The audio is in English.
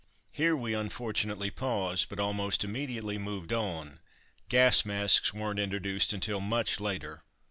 Here we unfortunately paused, but almost immediately moved on (gas masks weren't introduced until much later!).